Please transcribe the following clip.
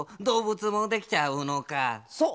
そう！